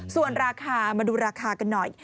ส่วนราคามาดูราคากันหน่อย